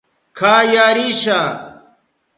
Kaya risha.